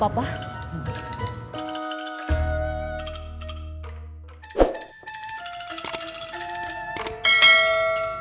pam teman seharusnya